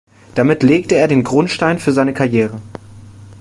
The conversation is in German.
Damit legte er den Grundstein für seine Karriere.